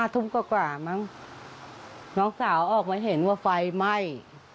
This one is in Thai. ทุ่มกว่ามั้งน้องสาวออกมาเห็นว่าไฟไหม้